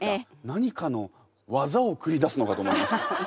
何かの技を繰り出すのかと思いました。